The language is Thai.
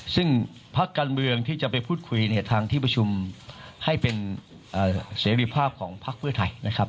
ซึ่งพักการเมืองที่จะไปพูดคุยเนี่ยทางที่ประชุมให้เป็นเสรีภาพของพักเพื่อไทยนะครับ